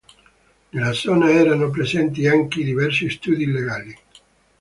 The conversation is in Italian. Nella zona erano presenti anche diversi studi legali.